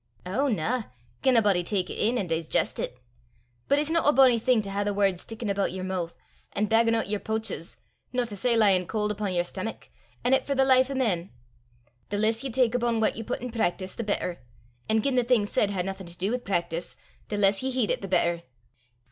"Ow na, gien a body tak it in, an' disgeist it! But it's no a bonnie thing to hae the word stickin' aboot yer moo', an' baggin' oot yer pooches, no to say lyin' cauld upo' yer stamack, an' it for the life o' men. The less ye tak abune what ye put in practice the better; an' gien the thing said hae naething to du wi' practice, the less ye heed it the better.